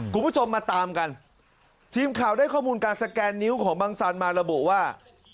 คุณผู้ชมมาตามกันทีมข่าวได้ข้อมูลการสแกนนิ้วของบังสันมาระบุว่า